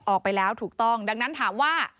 ออกไปแล้วถูกต้องดังนั้นถามว่า